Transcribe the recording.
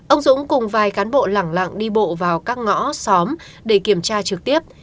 ông dũng cùng vài cán bộ lẳng lặng đi bộ vào các ngõ xóm để kiểm tra trực tiếp